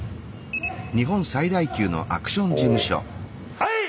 はい！